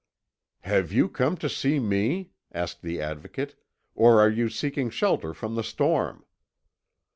"Have you come to see me?" asked the Advocate, "or are you seeking shelter from the storm?"